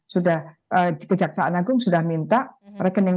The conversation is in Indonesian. sudah kejaksaan agung sudah minta rekening rekeningnya